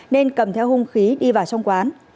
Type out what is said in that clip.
nên cầm theo hung khí đi vào trong quán